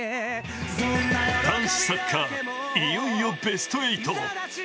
男子サッカー、いよいよベスト８。